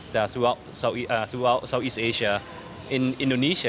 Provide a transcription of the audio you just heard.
di seluruh asia tenggara di indonesia